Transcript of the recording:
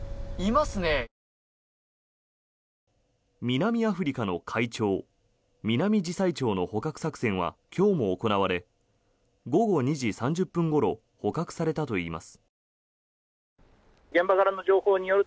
南アフリカの怪鳥ミナミジサイチョウの捕獲作戦は今日も行われ午後２時３０分ごろ捕獲されたといいます。